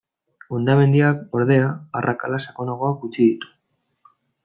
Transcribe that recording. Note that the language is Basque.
Hondamendiak, ordea, arrakala sakonagoak utzi ditu.